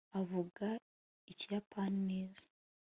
avuga ikiyapani neza